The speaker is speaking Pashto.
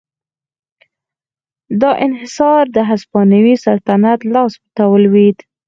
دا انحصار د هسپانوي سلطنت لاس ته ولوېد.